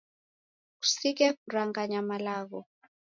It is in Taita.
Kusighe kuranganya malagho